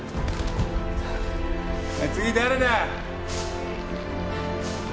次誰だ！？